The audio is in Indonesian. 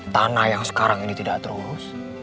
tanah yang sekarang ini tidak terus